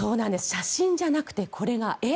写真じゃなくてこれが絵。